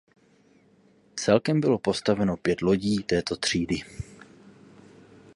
Celkem bylo postaveno pět lodí této třídy.